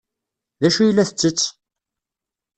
D acu ay la tettess?